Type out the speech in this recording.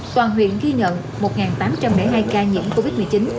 toàn huyện ghi nhận một tám trăm linh hai ca nhiễm covid một mươi chín